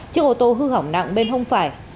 chiếc ô tô hư hỏng nặng bên hông phải